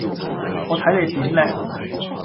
我睇你點叻